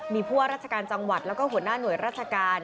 มีผู้ว่าราชการจังหวัดแล้วก็หัวหน้าหน่วยราชการ